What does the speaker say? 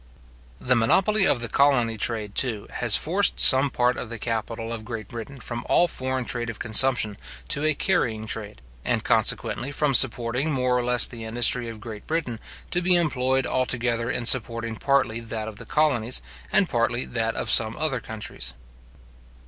The monopoly of the colony trade, too, has forced some part of the capital of Great Britain from all foreign trade of consumption to a carrying trade; and, consequently from supporting more or less the industry of Great Britain, to be employed altogether in supporting partly that of the colonies, and partly that of some other countries.